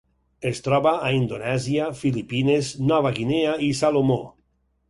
Es troba a Indonèsia, Filipines, Nova Guinea i Salomó.